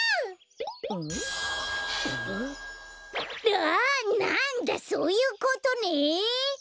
ああなんだそういうことね！